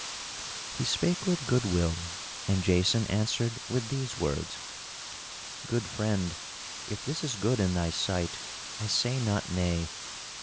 He spake with goodwill, and Jason answered with these words: "Good friend, if this is good in thy sight, I say not nay.